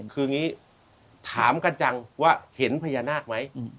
คืออย่างนี้ถามกันจังว่าเห็นพญานาคไหม